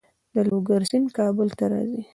د لوګر سیند کابل ته راځي